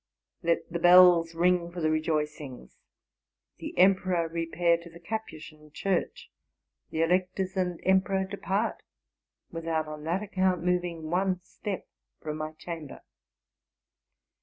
I let the bells ring for the rejoicings, the emperor repair to the Capuchin Church, the electors and emperor depart, without on that account moving one step from my chamber.